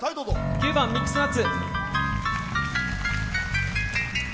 ９番「ミックスナッツ」。